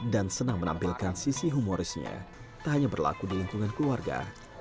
dan senang menampilkan sisi humorisnya tak hanya berlaku di lingkungan keluarga